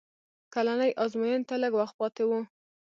کلنۍ ازموینې ته لږ وخت پاتې و